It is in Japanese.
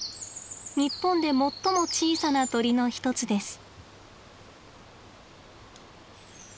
日本で最も小さな鳥の一つです。